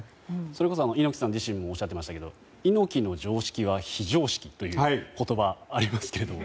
それこそ猪木さん自身もおっしゃっていましたが猪木の常識は非常識という言葉がありますが。